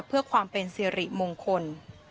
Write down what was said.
เพื่อความเป็นสิริมงคล